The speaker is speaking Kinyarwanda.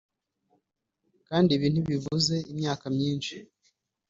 kandi ibi ntibivuze imyaka myinshi